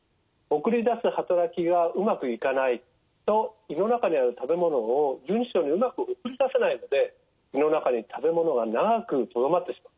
送り出すはたらきがうまくいかないと胃の中にある食べ物を十二指腸にうまく送り出せないので胃の中に食べ物が長くとどまってしまう。